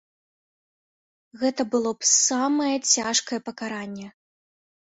Гэта было б самае цяжкае пакаранне.